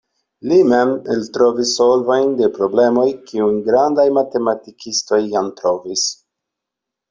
Li mem eltrovis solvojn de problemoj, kiujn grandaj matematikistoj jam trovis.